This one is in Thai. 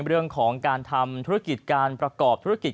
เรื่องของการทำธุรกิจการประกอบธุรกิจ